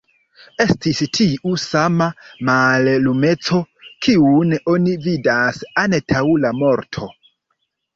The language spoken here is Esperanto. Estis tiu sama mallumeco, kiun oni vidas antaŭ la morto!